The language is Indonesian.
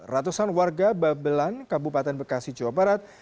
ratusan warga babelan kabupaten bekasi jawa barat